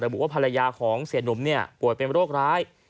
บุว่าภรรยาของเสียหนุ่มป่วยเป็นโรคร้าย